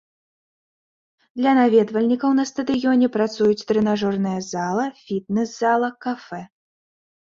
Для наведвальнікаў на стадыёне працуюць трэнажорная зала, фітнес-зала, кафэ.